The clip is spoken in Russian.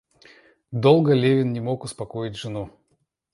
Долго Левин не мог успокоить жену.